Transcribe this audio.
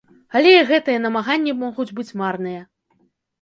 Але і гэтыя намаганні могуць быць марныя.